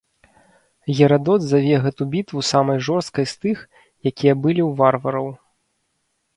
Герадот заве гэту бітву самай жорсткай з тых, якія былі ў варвараў.